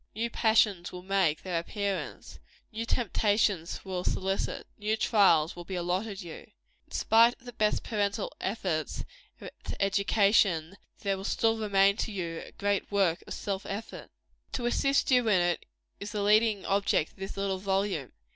New passions will make their appearance new temptations will solicit new trials will be allotted you, In spite of the best parental efforts at education, there will still remain to you a great work of self effort. To assist you in it, is the leading object of this little volume.